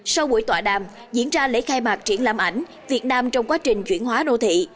sau buổi tọa đàm diễn ra lễ khai mạc triển lãm ảnh việt nam trong quá trình chuyển hóa đô thị